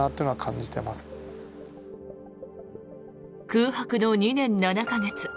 空白の２年７か月。